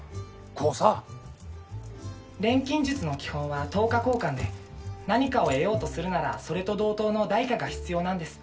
こうさ錬金術の基本は等価交換で何かを得ようとするならそれと同等の代価が必要なんです